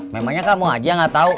memangnya kamu aja yang gak tau